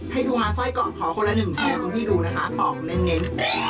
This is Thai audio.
ให้ทุกคนมาสร้อยก่อนขอคนละหนึ่งชอบคุณพี่ดูนะคะปอกเล่น